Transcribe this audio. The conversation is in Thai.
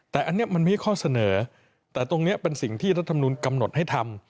แต่อันนี้มันไม่มีข้อเสนอแต่ตรงนี้เป็นสิ่งที่รัฐมนุนกำหนดให้ทำ